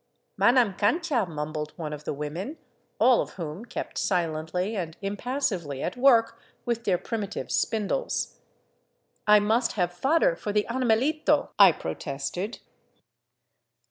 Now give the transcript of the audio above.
" Manam cancha," mumbled one of the women, all of whom kept silently and impassively at work with their primitive spindles. *' I must have fodder for the animalito," I protested.